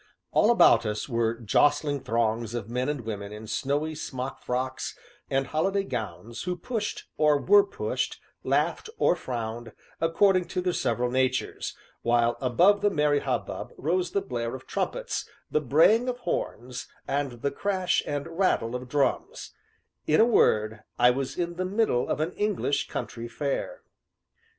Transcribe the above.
All about us were jostling throngs of men and women in snowy smock frocks, and holiday gowns, who pushed, or were pushed, laughed, or frowned, according to their several natures; while above the merry hubbub rose the blare of trumpets, the braying of horns, and the crash, and rattle of drums in a word, I was in the middle of an English Country Fair.